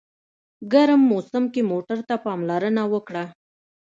ګرم موسم کې موټر ته پاملرنه وکړه.